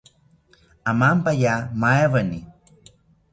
Amampaya maaweni